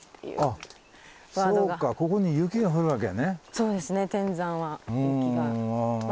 そうですね天山は雪が。